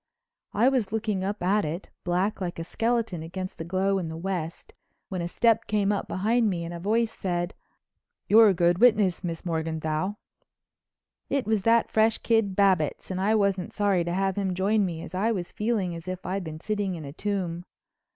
I was looking up at it, black like a skeleton against the glow in the West, when a step came up behind me and a voice said: "You're a good witness, Miss Morganthau." It was that fresh kid Babbitts and I wasn't sorry to have him join me as I was feeling as if I'd been sitting in a tomb.